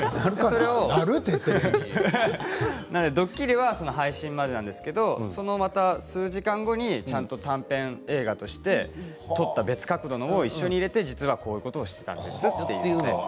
ドッキリは配信までなんですけどそのまた数時間後にちゃんと短編映画としてとった別角度のものを一緒に入れて実はこういうことしていたんですと。